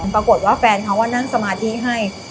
ปรากฏว่าแฟนเขานั่งสมาธิให้